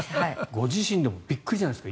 ご自身でもびっくりじゃないですか？